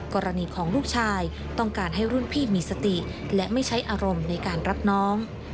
กรณีของลูกชายต้องการให้รุ่นพี่มีสติและไม่ใช้อารมณ์ในการรับน้อง